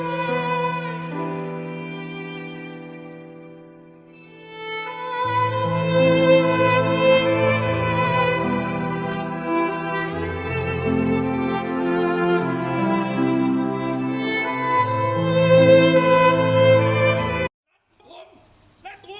เพราะฉะนั้นเราก็ให้ความเป็นธรรมทุกคนอยู่แล้วนะครับ